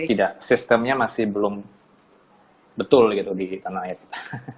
tidak sistemnya masih belum betul gitu di tanah air kita